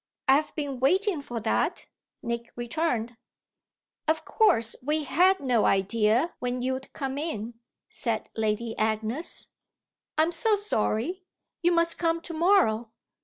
I've been waiting for that," Nick returned. "Of course we had no idea when you'd come in," said Lady Agnes. "I'm so sorry. You must come to morrow.